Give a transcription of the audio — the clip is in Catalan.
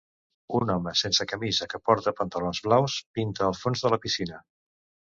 Un home sense camisa que porta pantalons blaus pinta el fons de la piscina.